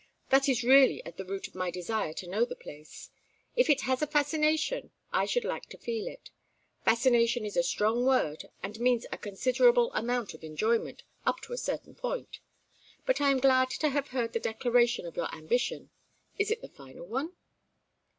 That is really at the root of my desire to know the place. If it has a fascination I should like to feel it. Fascination is a strong word and means a considerable amount of enjoyment, up to a certain point. But I am glad to have heard the declaration of your ambition. Is it the final one?"